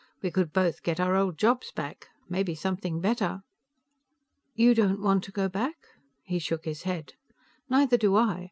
We could both get our old jobs back. Maybe something better." "You don't want to go back?" He shook his head. "Neither do I.